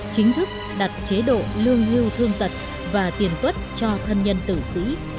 chính thức đặt chế độ lương hưu thương tật và tiền tuất cho thân nhân tử sĩ